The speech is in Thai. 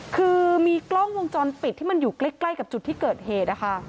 คือมีกล้องวงจรปิดที่มันอยู่ใกล้กับจุดที่เกิดเหตุ